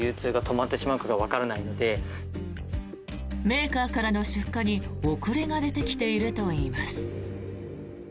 メーカーからの出荷に遅れが出てきているといいます。